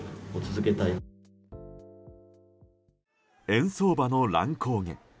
円相場の乱高下。